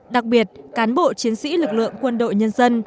đặc biệt cán bộ chiến sĩ lực lượng quân đội nhân dân